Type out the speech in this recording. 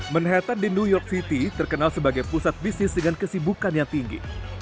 manhattan di new york city terkenal sebagai pusat bisnis dengan kesibukan yang tinggi